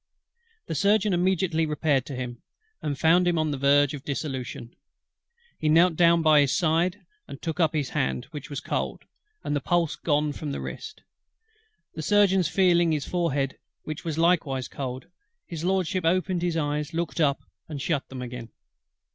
The Surgeon immediately repaired to him, and found him on the verge of dissolution. He knelt down by his side, and took up his hand; which was cold, and the pulse gone from the wrist. On the Surgeon's feeling his forehead, which was likewise cold, HIS LORDSHIP opened his eyes, looked up, and shut them again.